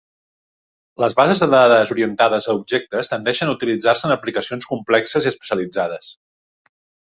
Les bases de dades orientades a objectes tendeixen a utilitzar-se en aplicacions complexes i especialitzades.